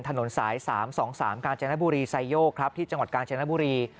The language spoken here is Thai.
ถนนสาย๓๒๓กาญจนบุรีไซโยกครับที่จังหวัดกาญจนบุรี